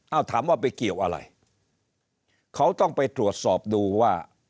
เอาถามว่าไปเกี่ยวอะไรเขาต้องไปตรวจสอบดูว่า